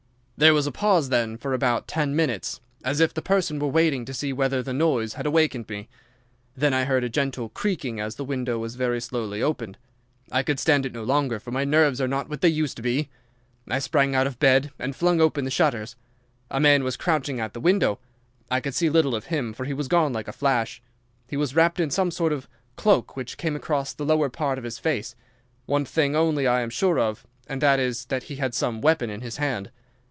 "There was a pause then for about ten minutes, as if the person were waiting to see whether the noise had awakened me. Then I heard a gentle creaking as the window was very slowly opened. I could stand it no longer, for my nerves are not what they used to be. I sprang out of bed and flung open the shutters. A man was crouching at the window. I could see little of him, for he was gone like a flash. He was wrapped in some sort of cloak which came across the lower part of his face. One thing only I am sure of, and that is that he had some weapon in his hand.